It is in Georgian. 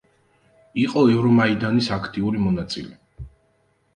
იყო ევრომაიდანის აქტიური მონაწილე.